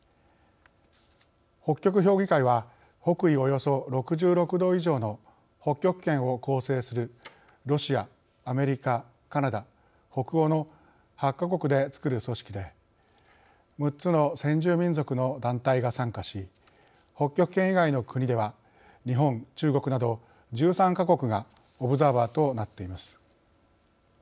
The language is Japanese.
北極評議会は北緯およそ６６度以上の北極圏を構成するロシアアメリカカナダ北欧の８か国でつくる組織で６つの先住民族の団体が参加し北極圏以外の国では日本中国など１３か国がオブザーバーとなっています。